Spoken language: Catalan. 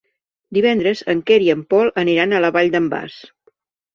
Divendres en Quer i en Pol aniran a la Vall d'en Bas.